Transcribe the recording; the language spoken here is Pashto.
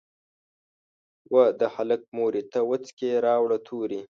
"وه د هلک مورې ته وڅکي راوړه توري".